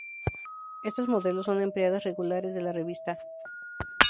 Estas modelos son empleadas regulares de la revista.